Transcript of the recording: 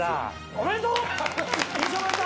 おめでとう！